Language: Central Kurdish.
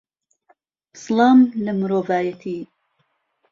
سڵام لە مرۆڤایەتی